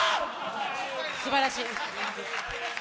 すばらしい。